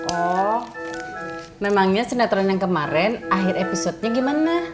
oh memangnya sinetron yang kemarin akhir episode nya gimana